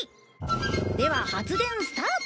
では発電スタート！